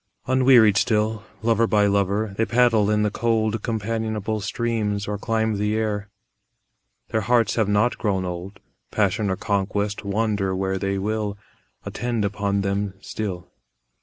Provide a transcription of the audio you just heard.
Unwearied still, lover by lover, They paddle in the cold Companionable streams or climb the air; Their hearts have not grown old; Passion or conquest, wander where they will, Attend upon them still.